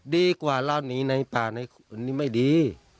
ดีกว่าลาดหนีในป่านี่ไม่ดี